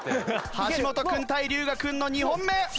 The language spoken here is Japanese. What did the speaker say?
橋本君対龍我君の２本目！